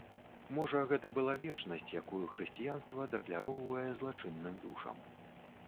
Можа гэта была вечнасць, якую хрысціянства дакляроўвае злачынным душам.